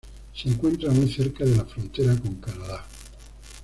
Se encuentra muy cerca de la frontera con Canadá.